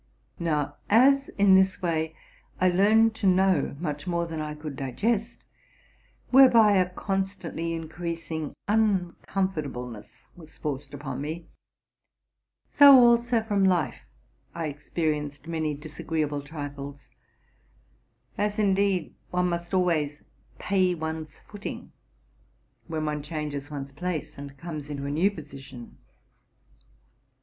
Now, as in this way I Tearned to know much more than I could digest, whereby a constantly increasing uncomfortable ness was forced upon me; so also from life I experienced ADD disagreeable trifles, —as, indeed, one must always pay one's footing when one changes one's place and comes into a new position.